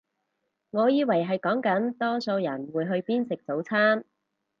我以為係講緊多數人會去邊食早餐